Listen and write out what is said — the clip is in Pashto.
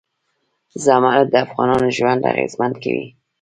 زمرد د افغانانو ژوند اغېزمن کوي.